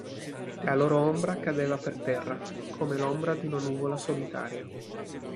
La loro ombra cadeva per terra come l'ombra di una nuvola solitaria.